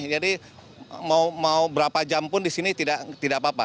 jadi mau berapa jam pun di sini tidak apa apa